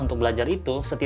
untuk belajar itu